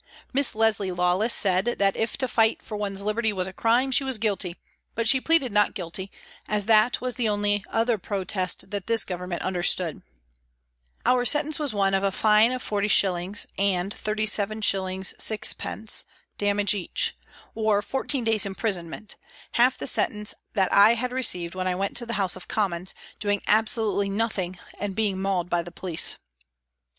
Miss Leslie Lawless said that if to fight for one's liberty was a crime, she was guilty, but she pleaded not guilty, as that was the only protest that this Government understood. Our sentence was one of a fine of 40s. and 37s. 6d. damage each, or fourteen days' imprisonment half the sentence that I had received when I went to the House of Commons, doing absolutely nothing and being mauled by the police.